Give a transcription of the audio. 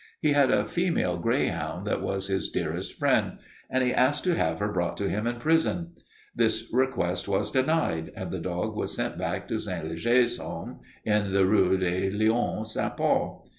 He had a female greyhound that was his dearest friend and he asked to have her brought to him in prison. This request was denied and the dog was sent back to St. Leger's home in the Rue des Lions St. Paul.